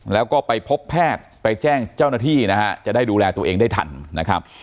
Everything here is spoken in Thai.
แล้วก็ไปพบแพทย์ไปแจ้งเจ้าหน้าที่นะฮะจะได้ดูแลตัวเองได้ทันนะครับ